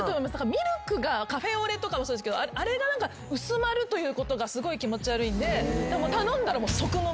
ミルクがカフェオレとかもそうですけどあれが薄まるということがすごい気持ち悪いんで。